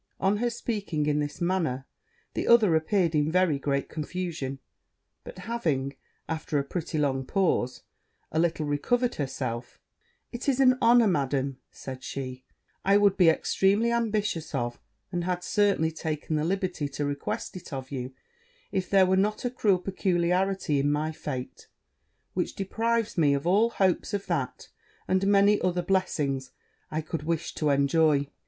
On her speaking in this manner, the other appeared in very great confusion; but having, after a pretty long pause, a little recovered herself, 'It is an honour, Madam,' said she, 'I would be extremely ambitious of; and had certainly taken the liberty to request it of you, if there were not a cruel peculiarity in my fate, which deprives me of all hopes of that, and many other blessings, I could wish to enjoy.'